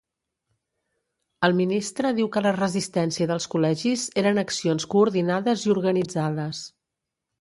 El ministre diu que la resistència dels col·legis eren accions coordinades i organitzades.